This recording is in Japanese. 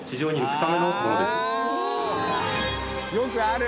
よくある！